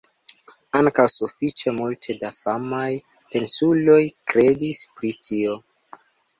Ankaŭ sufiĉe multe da famaj pensuloj kredis pri tio.